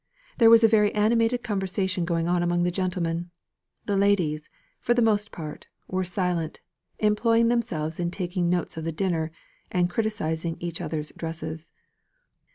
There was a very animated conversation going on among the gentlemen; the ladies, for the most part, were silent, employing themselves in taking notes of the dinner and criticising each other's dresses.